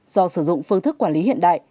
do sử dụng phương thức quản lý hiện đại